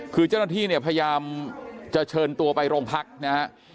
คือเจ้าหน้าที่เนี่ยพยายามจะเชิญตัวไปโรงพักนะฮะ